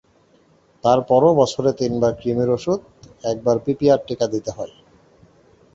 তার পরও বছরে তিনবার কৃমির ওষুধ, একবার পিপিআর টিকা দিতে হয়।